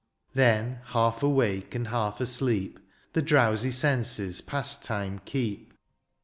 Then half awake, and half asleep, Tlie drowsy senses pastime keep.